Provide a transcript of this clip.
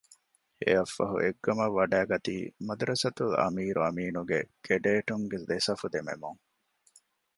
އެއަށްފަހު އެއްގަމަށް ވަޑައިގަތީ މަދްރަސަތުލް އަމީރު އަމީނުގެ ކެޑޭޓުންގެ ދެ ސަފު ދެމުމުން